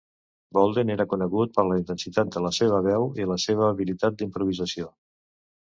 Bolden era conegut per la intensitat de la seva veu i la seva habilitat d'improvisació.